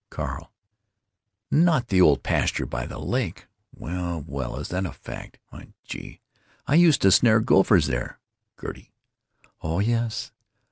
Carl: "Not the old pasture by the lake? Well, well! Is that a fact! Why, gee! I used to snare gophers there!" Gertie: "Oh yes.